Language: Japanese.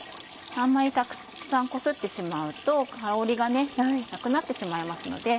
あんまりたくさんこすってしまうと香りがなくなってしまいますので。